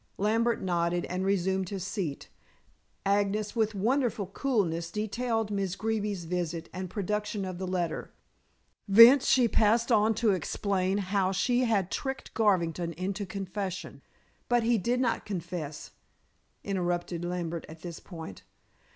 Lambert nodded and resumed his seat. Agnes, with wonderful coolness, detailed Miss Greeby's visit and production of the letter. Thence she passed on to explain how she had tricked Garvington into confession. "But he did not confess," interrupted Lambert at this point.